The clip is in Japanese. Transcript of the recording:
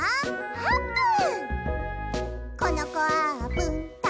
「あーぷん」！